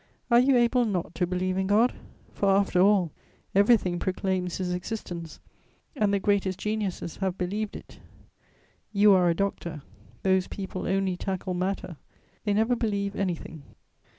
Are you able not to believe in God? For, after all, everything proclaims His existence, and the greatest geniuses have believed it.... You are a doctor.... Those people only tackle matter: they never believe anything."